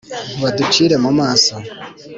Baducire mu maso